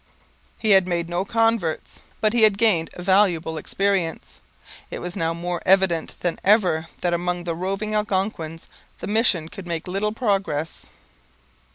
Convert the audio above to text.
He had made no converts; but he had gained valuable experience. It was now more evident than ever that among the roving Algonquins the mission could make little progress.